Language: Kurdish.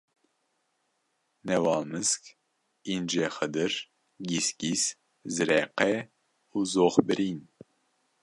Newalmisk, Încexidir, Gîsgîs, Zireqê û Zoxbirîn